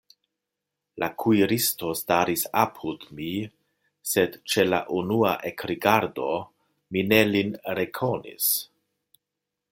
La kuiristo staris apud mi, sed ĉe la unua ekrigardo mi ne lin rekonis.